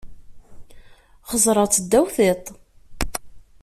Xeẓẓreɣ-t ddaw tiṭ.